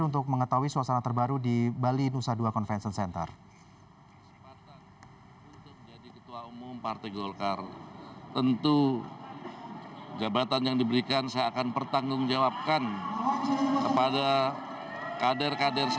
untuk mengetahui suasana terbaru di bali nusa dua convention center